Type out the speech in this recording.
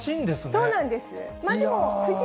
そうなんです。